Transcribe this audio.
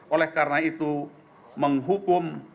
oleh karena itu menghukum